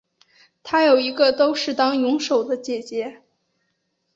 她有一个都是当泳手的姐姐。